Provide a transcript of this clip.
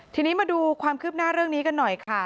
ทีนี้มาดูความคืบหน้าเรื่องนี้กันหน่อยค่ะ